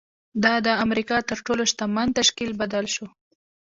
دا د امریکا تر تر ټولو شتمن تشکیل بدل شو